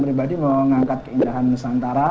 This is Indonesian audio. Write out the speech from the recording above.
pribadi mengangkat keindahan nusantara